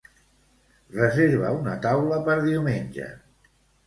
Reserva una taula per diumenge.